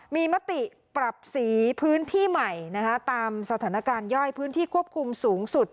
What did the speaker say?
มีมติปรับสีพื้นที่ใหม่ตามสถานการณ์ย่อยพื้นที่ควบคุมสูงสุด